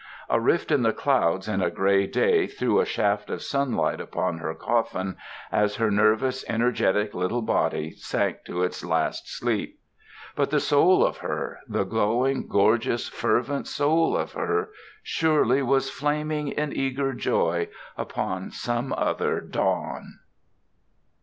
A rift in the clouds in a gray day threw a shaft of sunlight upon her coffin as her nervous, energetic little body sank to its last sleep. But the soul of her, the glowing, gorgeous, fervent soul of her, surely was flaming in eager joy upon some other dawn.